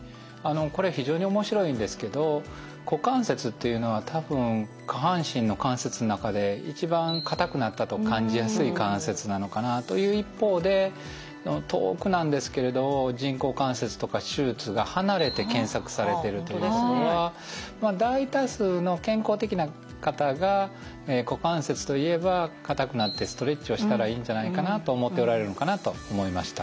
これ非常に面白いんですけど股関節っていうのは多分下半身の関節の中で一番硬くなったと感じやすい関節なのかなという一方で遠くなんですけれど「人工関節」とか「手術」が離れて検索されてるということは大多数の健康的な方が股関節といえば硬くなってストレッチをしたらいいんじゃないかなと思っておられるのかなと思いました。